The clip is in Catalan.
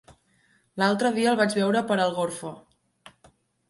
L'altre dia el vaig veure per Algorfa.